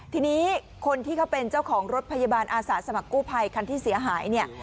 ทีนี้คนที่เขาเป็นเจ้าของรถพยาบาลอาสาสมัครกู้ภัยคันที่เสียหายเนี่ย